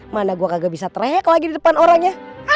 mana gue kagak bisa trayek lagi di depan orangnya